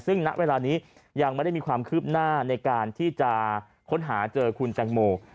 ซึ่งณเวลานี้ยังไม่ได้มีความคืบหน้าในการที่จะค้นหาเจอคุณแตงโม